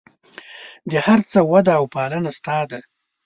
د هر څه وده او پالنه ستا ده.